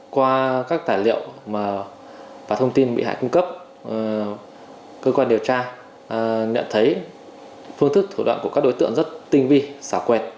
qua các tài liệu và thông tin bị hại cung cấp cơ quan điều tra nhận thấy phương thức thủ đoạn của các đối tượng rất tinh vi xảo quẹt